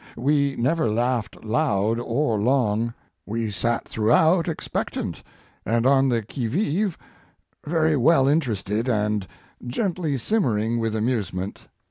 We never laughed loud or long. We sat throughout expectant and on the qui vive, very well interested and gently simmering with amusement.